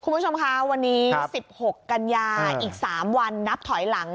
คุณผู้ชมคะวันนี้๑๖กันยาอีก๓วันนับถอยหลัง